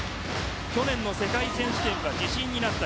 去年の世界選手権が自信になった。